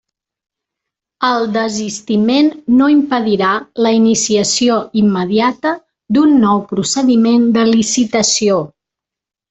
El desistiment no impedirà la iniciació immediata d'un nou procediment de licitació.